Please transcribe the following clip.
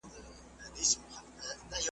بيا اختر به وي دفتحې .